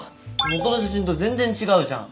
元の写真と全然違うじゃん。